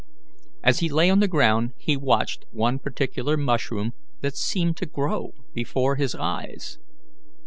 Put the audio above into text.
As he lay on the ground he watched one particular mushroom that seemed to grow before his eyes.